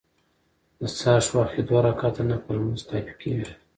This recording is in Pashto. د څاښت وخت کي دوه رکعته نفل لمونځ کافي کيږي